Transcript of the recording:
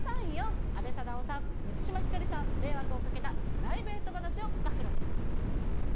阿部サダヲさん、満島ひかりさん、迷惑をかけたプライベート話を暴露です。